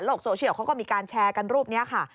โซเชียลเขาก็มีการแชร์กันรูปนี้ค่ะ